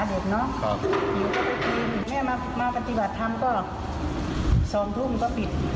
เด็กเนอะอยู่ก็ไปกินแม่มาปฏิบัติธรรมก็๒ทุ่มก็ปิด